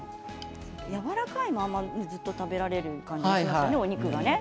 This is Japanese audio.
やわらかいままお肉が食べられる感じですよね。